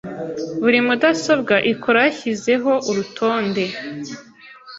Buri mudasobwa ikora yashyizeho urutonde